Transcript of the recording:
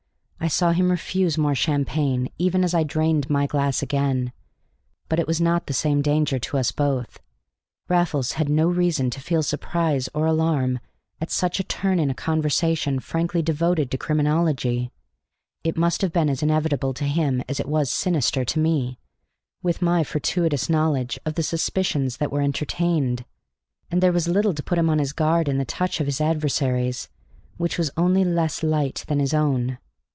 I saw him refuse more champagne, even as I drained my glass again. But it was not the same danger to us both. Raffles had no reason to feel surprise or alarm at such a turn in a conversation frankly devoted to criminology; it must have been as inevitable to him as it was sinister to me, with my fortuitous knowledge of the suspicions that were entertained. And there was little to put him on his guard in the touch of his adversaries, which was only less light than his own.